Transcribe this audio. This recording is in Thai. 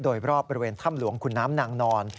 โดยรอบบริเวณถ้ำหลวงขุนน้ำนางนอน